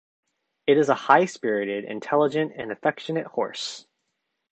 It is a high-spirited, intelligent and affectionate horse.